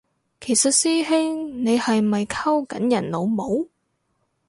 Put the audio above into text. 其實師兄你係咪溝緊人老母？